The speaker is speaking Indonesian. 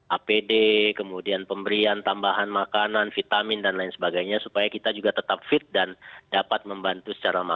apd kemudian pemberian tambahan makanan vitamin dan lain sebagainya supaya kita juga tetap fit dan dapat membantu secara maksimal